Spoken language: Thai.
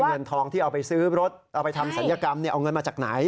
เงินทองที่เอาไปซื้อรถเอาไปทำศัลยกรรมเอาเงินมาจากไหน